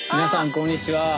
こんにちは。